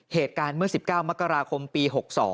เหตุการณ์เมื่อ๑๙มกราคมปี๖๒